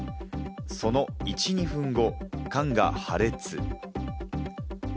その１２分後、缶が破裂。